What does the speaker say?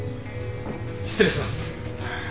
失礼します。